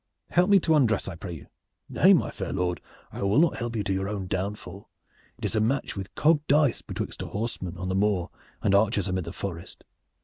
Help me to untruss, I pray you!" "Nay, my fair lord, I will not help you to your own downfall. It is a match with cogged dice betwixt a horseman on the moor and archers amid the forest.